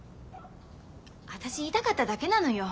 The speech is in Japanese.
私言いたかっただけなのよ。